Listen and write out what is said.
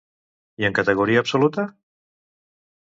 I en categoria absoluta?